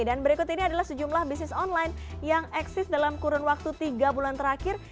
dan berikut ini adalah sejumlah bisnis online yang eksis dalam kurun waktu tiga bulan terakhir